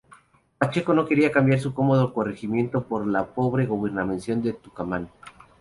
Pacheco no quería cambiar su cómodo corregimiento por la pobre Gobernación del Tucumán.